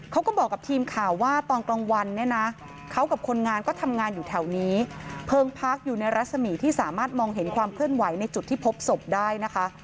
เขาก็บอกกับทีมข่าวว่าตอนกลางวันเนี่ยนะเขากับคนงานก็ทำงานอยู่แถวนี้เพลิงพักอยู่ในรัศมีที่สามารถมองเห็นความเคลื่อนไหวในจุดที่พบศพได้นะคะ